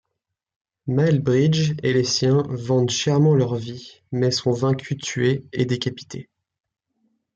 Maelbrigte et les siens vendent chèrement leur vie mais sont vaincus tués et décapités.